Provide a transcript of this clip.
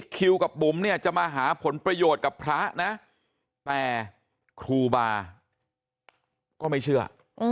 คิวกับบุ๋มเนี่ยจะมาหาผลประโยชน์กับพระนะแต่ครูบาก็ไม่เชื่อ